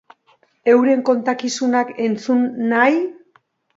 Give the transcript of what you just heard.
Euren kontakizunak entzun nahi?